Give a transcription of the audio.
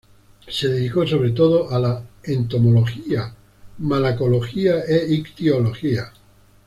Se dedicó sobre todo a la entomología, malacología e ictiología.